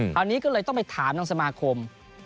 คราวนี้ก็เลยต้องไปถามทางสมาคม